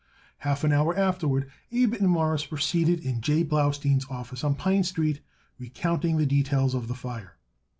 Half an hour afterward Abe and Morris were seated in J. Blaustein's office on Pine Street, recounting the details of the fire.